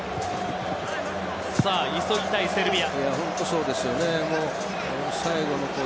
さあ、急ぎたいセルビア。